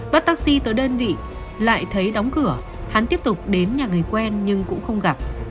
bắt taxi tới đơn vị lại thấy đóng cửa hắn tiếp tục đến nhà người quen nhưng cũng không gặp